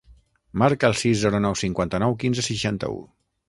Marca el sis, zero, nou, cinquanta-nou, quinze, seixanta-u.